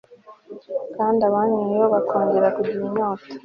kandi abanyoyeho bakongera kugira inyota